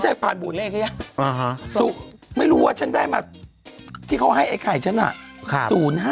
เูียบพ่านบุญเหรอวะครับไม่รู้ว่าฉันได้มาที่เขาให้ไอ้ไข่ฉันอะ๐๕๘อะ